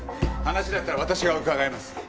話だったら私が伺います。